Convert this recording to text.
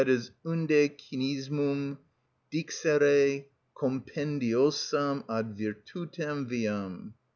(_Unde Cynismum dixere compendiosam ad virtutem viam.